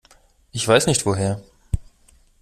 Ich weiß nicht woher.